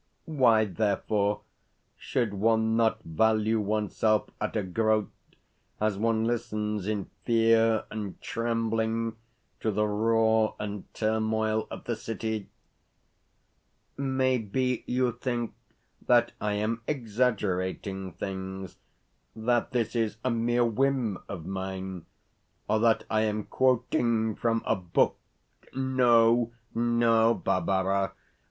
Why, therefore, should one not value oneself at a groat as one listens in fear and trembling to the roar and turmoil of the city? Maybe you think that I am exaggerating things that this is a mere whim of mine, or that I am quoting from a book? No, no, Barbara.